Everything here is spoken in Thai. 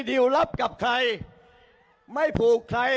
ถามเพื่อให้แน่ใจ